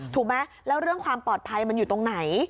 ถูกไหมแล้วเรื่องความปลอดภัยมันอยู่ตรงไหน